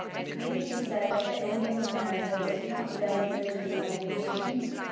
Need it be said that the amiable Merryboys did not fail of their duty on that occasion?